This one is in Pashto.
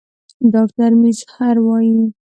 ډاکټر میزهر وايي